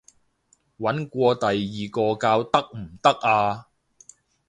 搵過第二個教得唔得啊？